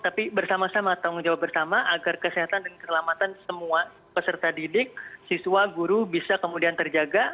tapi bersama sama tanggung jawab bersama agar kesehatan dan keselamatan semua peserta didik siswa guru bisa kemudian terjaga